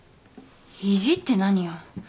意地って何よ？